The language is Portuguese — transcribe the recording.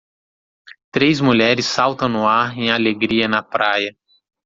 Três mulheres saltam no ar em alegria na praia.